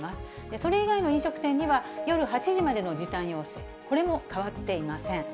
それ以外の飲食店には、夜８時までの時短要請、これも変わっていません。